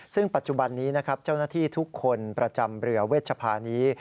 ซึ่งปัจจุบันนี้นะครับเจ้าหน้าที่ทุกคนประจำเรือเวชภานี้